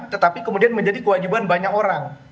tetapi kemudian menjadi kewajiban banyak orang